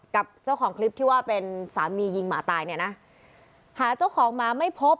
กับเจ้าของคลิปที่ว่าเป็นสามียิงหมาตายเนี่ยนะหาเจ้าของหมาไม่พบ